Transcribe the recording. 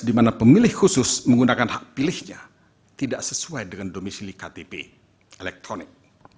di mana pemilih khusus menggunakan hak pilihnya tidak sesuai dengan domisili ktp elektronik